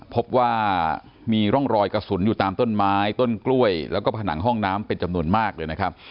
พบว่ามีร่องรอยกระสุนอยู่ตามต้นไม้ต้นกล้วยแล้วก็ผนังห้องน้ำเป็นจำนวนมากเลยนะครับ